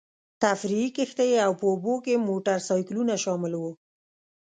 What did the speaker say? تفریحي کښتۍ او په اوبو کې موټرسایکلونه شامل وو.